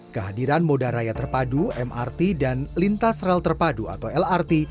kehadiran moda raya terpadu mrt dan lintas rel terpadu atau lrt